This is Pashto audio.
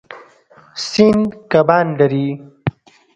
سیند کبان لري.